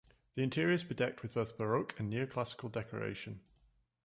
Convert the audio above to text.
The interior is bedecked with both baroque and neoclassical decoration.